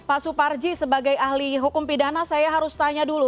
pak suparji sebagai ahli hukum pidana saya harus tanya dulu